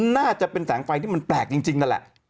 น่าจะเป็นแสงไฟที่มันแปลกจริงนั่นแหละ